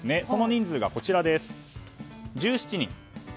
その人数が１７人。